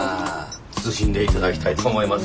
謹んでいただきたいと思います。